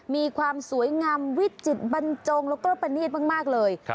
มีความสวยงามวิจิตบรรจงแล้วก็ประนีตมากเลย